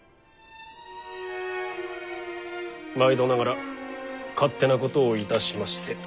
毎度ながら勝手なことをいたしまして。